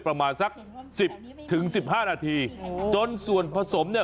ประมาณสัก๑๐๑๕นาทีจนส่วนผสม